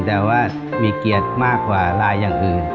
แต่ว่ามีเกียรติมากกว่าลายอย่างอื่น